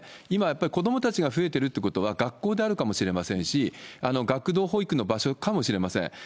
今やっぱり子どもたちが増えているということは、学校であるかもしれませんし、学童保育の場所かもしれません。